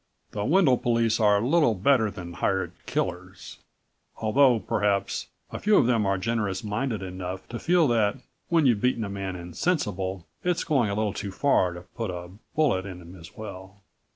The Wendel police are little better than hired killers although perhaps a few of them are generous minded enough to feel that when you've beaten a man insensible it's going a little too far to put a bullet in him as well.